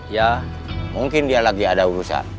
ya mungkin dia lagi ada urusan